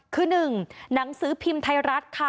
คือ๑หนังสือพิมพ์ไทยรัฐค่ะ